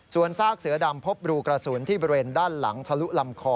ส่วนซากเสือดำพบรูกระสุนที่บริเวณด้านหลังทะลุลำคอ